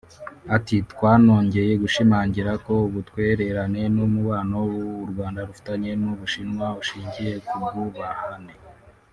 Ati “Twanongeye gushimangira ko ubutwererane n’umubano u Rwanda rufitanye n’u Bushinwa ushingiye ku bwubahane